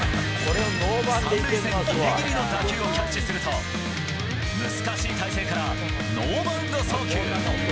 ３塁線ぎりぎりの打球をキャッチすると、難しい体勢からノーバウンド送球。